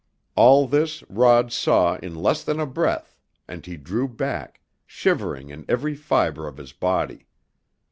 All this Rod saw in less than a breath, and he drew back, shivering in every fiber of his body.